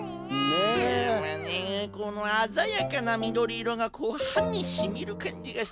このあざやかなみどりいろがこうはにしみるかんじがして。